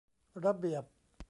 ระเบียบ